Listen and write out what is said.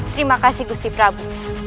terima kasih gusti prabu